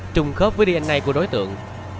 trùng khớp với dna của đối tượng